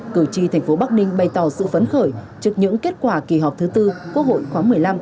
cử tri thành phố bắc ninh bày tỏ sự phấn khởi trước những kết quả kỳ họp thứ tư quốc hội khoáng một mươi năm